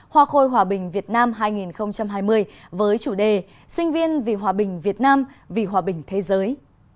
hoa khôi hòa bình việt nam hai nghìn hai mươi với chủ đề sinh viên vì hòa bình việt nam vì hòa bình thế giới